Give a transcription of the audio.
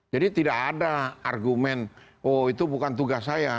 jadi tidak ada argumen oh itu bukan tugas saya